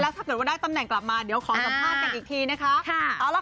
ถ้าเกิดว่าได้ตำแหน่งกลับมาเดี๋ยวขอสัมภาษณ์กันอีกทีนะคะ